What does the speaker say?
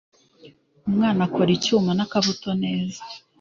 Umwana akora icyuma n'akabuto neza.